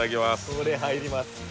これ入ります